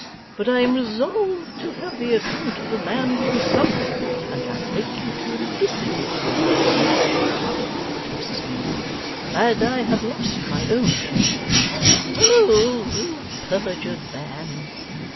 But I am resolved to have the account of the man from Somewhere, and I beg you to elicit it for me, my love,' to Mrs Veneering, 'as I have lost my own influence. Oh, you perjured man!